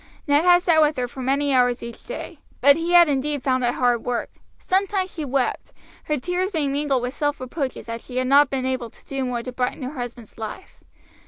Ned had sat with her for many hours each day, but he had indeed found it hard work. Sometimes she wept, her tears being mingled with self reproaches that she had not been able to do more to brighten her husband's life.